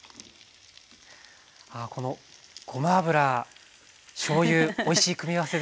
ああこのごま油しょうゆおいしい組み合わせですね。